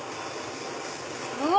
うわ！